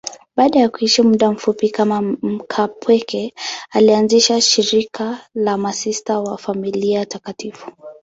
Baada ya kuishi muda mfupi kama mkaapweke, alianzisha shirika la Masista wa Familia Takatifu.